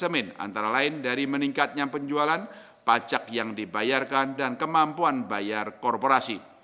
semin antara lain dari meningkatnya penjualan pajak yang dibayarkan dan kemampuan bayar korporasi